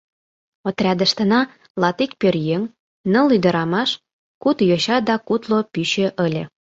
Отрядыштына латик пӧръеҥ, ныл ӱдырамаш, куд йоча да кудло пӱчӧ ыле.